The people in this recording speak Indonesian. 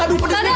aduh pedes nih